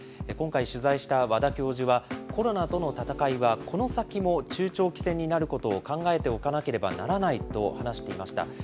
今回取材した和田教授は、コロナとの闘いは、この先も中長期戦になることを考えておかなければならないと話していました。